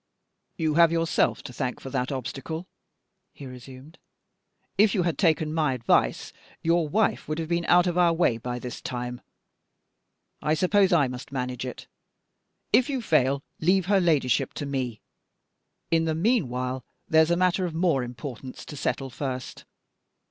"You have yourself to thank for that obstacle," he resumed. "If you had taken my advice, your wife would have been out of our way by this time. I suppose I must manage it. If you fail, leave her ladyship to me. In the meanwhile, there's a matter of more importance to settle first.